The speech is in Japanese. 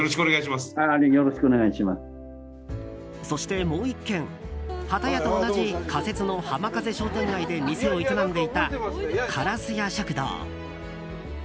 そしてもう１軒、はたやと同じ仮設の浜風商店街で店を営んでいた、からすや食堂。